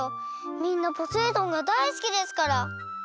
みんなポセイ丼がだいすきですから。